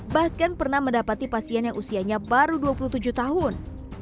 bahkan pernah mendapati pasien yang usianya baru dua puluh tujuh tahun